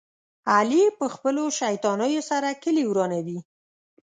علي په خپلو شیطانیو سره کلي ورانوي.